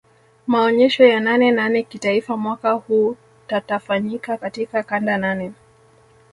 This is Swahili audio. Maonyesho ya nane nane kitaifa mwaka huu tatafanyika katika kanda nane